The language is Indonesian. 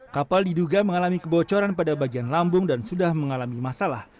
kapal diduga mengalami kebocoran pada bagian lambung dan sudah mengalami masalah